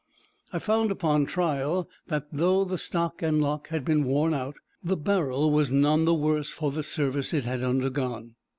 I found upon trial that though the stock and lock had been worn out, the barrel was none the worse for the service it had undergone.